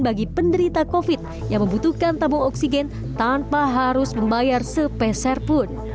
bagi penderita covid yang membutuhkan tabung oksigen tanpa harus membayar sepeserpun